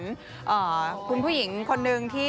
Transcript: คุณผู้หญิงคนนึงที่